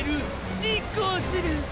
実行する！！